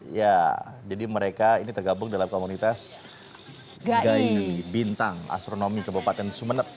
iya jadi mereka ini tergabung dalam komunitas gai bintang astronomi kabupaten semenuk